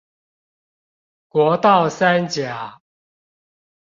國道三甲